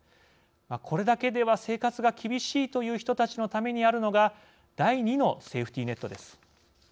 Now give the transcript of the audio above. これだけでは生活が厳しいという人たちのためにあるのが第２のセーフティーネットです。